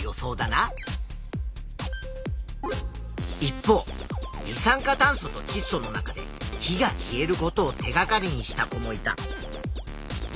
一方二酸化炭素とちっ素の中で火が消えることを手がかりにした子もいた。